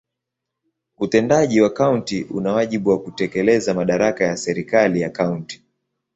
Utendaji wa kaunti una wajibu wa kutekeleza madaraka ya serikali ya kaunti.